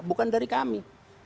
bukan dari kami